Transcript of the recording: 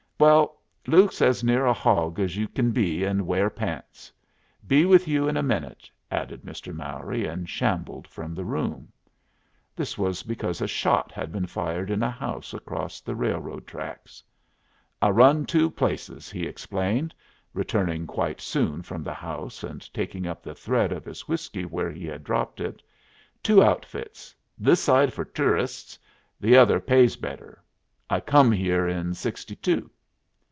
"Well, Luke's as near a hog as you kin be and wear pants. Be with you in a minute," added Mr. Mowry, and shambled from the room. This was because a shot had been fired in a house across the railroad tracks. "I run two places," he explained, returning quite soon from the house and taking up the thread of his whiskey where he had dropped it. "Two outfits. This side for toorists. Th' other pays better. I come here in 'sixty two."